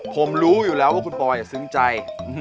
ผมรู้อยู่แล้วว่าคุณปอยซึ้งใจ